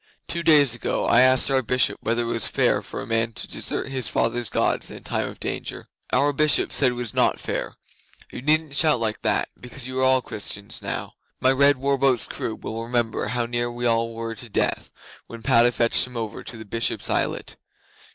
Two days ago I asked our Bishop whether it was fair for a man to desert his fathers' Gods in a time of danger. Our Bishop said it was not fair. You needn't shout like that, because you are all Christians now. My red war boat's crew will remember how near we all were to death when Padda fetched them over to the Bishop's islet.